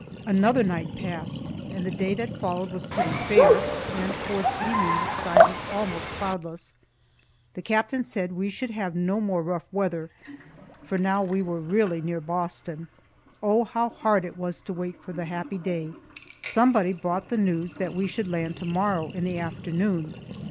Another night passed, and the day that followed was pretty fair, and towards evening the sky was almost cloudless. The captain said we should have no more rough weather, for now we were really near Boston. Oh, how hard it was to wait for the happy day! Somebody brought the news that we should land to morrow in the afternoon.